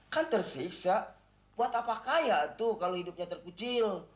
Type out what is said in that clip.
kan tersiksa buat apa kaya tuh kalau hidupnya terkucil